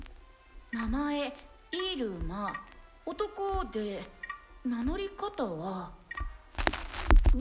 名前イルマ男で名乗り方は「僕」。